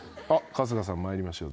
春日さん参りましょう。